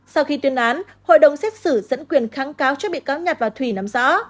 sau khi tuyên án hội đồng xét xử dẫn quyền kháng cáo cho bị cáo nhạt và thủy nắm rõ